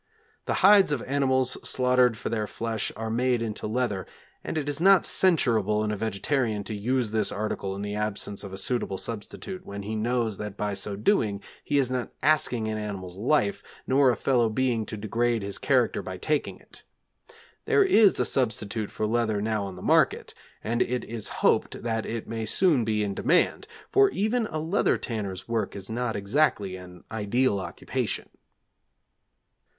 The hides of animals slaughtered for their flesh are made into leather, and it is not censurable in a vegetarian to use this article in the absence of a suitable substitute when he knows that by so doing he is not asking an animal's life, nor a fellow being to degrade his character by taking it. There is a substitute for leather now on the market, and it is hoped that it may soon be in demand, for even a leather tanner's work is not exactly an ideal occupation.